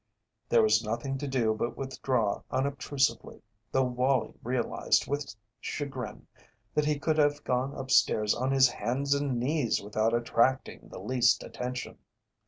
There was nothing to do but withdraw unobtrusively, though Wallie realized with chagrin that he could have gone upstairs on his hands and knees without attracting the least attention.